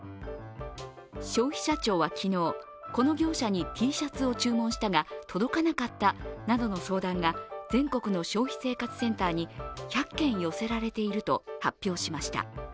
消費者庁は昨日、この業者にＴシャツを注文したが届かなかったなどの相談が全国の消費生活センターに１００件寄せられていると発表しました。